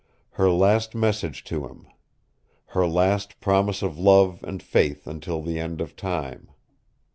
Her last message to him. Her last promise of love and faith until the end of time.